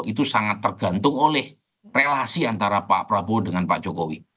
itu sangat tergantung oleh relasi antara pak prabowo dengan pak jokowi